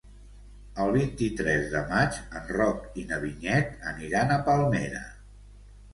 El vint-i-tres de maig en Roc i na Vinyet aniran a Palmera.